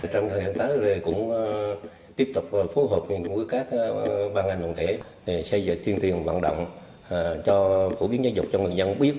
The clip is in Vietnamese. trong thời gian tái chúng tôi cũng tiếp tục phối hợp với các ban ngành đồng thể xây dựng tiền tiền vận động cho phổ biến giáo dục cho người dân biết